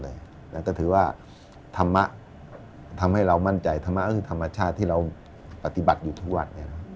แล้วก็ถือว่าธรรมะทำให้เรามั่นใจธรรมะก็คือธรรมชาติที่เราปฏิบัติอยู่ทุกวัด